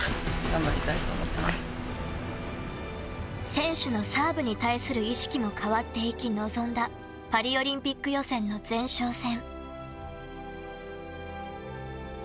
選手のサーブに対する意識も変わっていき臨んだパリオリンピック予選の前哨戦。